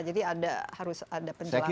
jadi ada harus ada penjelasan juga